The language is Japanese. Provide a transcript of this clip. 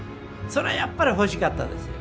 そらやっぱり欲しかったですよ。